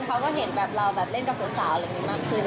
เขาก็เห็นแบบเราแบบเล่นกับสาวอะไรอย่างนี้มากขึ้น